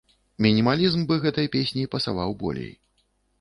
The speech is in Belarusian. Мінімалізм бы гэтай песні пасаваў болей.